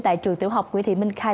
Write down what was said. tại trường tiểu học nguyễn thị minh khai